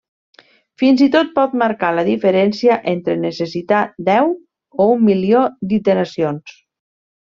Fins i tot pot marcar la diferència entre necessitar deu o un milió d'iteracions.